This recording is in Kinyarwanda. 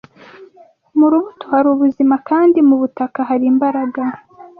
Mu rubuto hari ubuzima, kandi mu butaka hari imbaraga